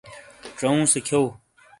ڇاؤوں سے کھیؤ۔